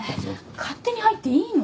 勝手に入っていいの？